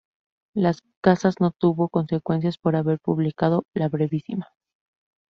Las Casas no tuvo consecuencias por haber publicado la "Brevísima".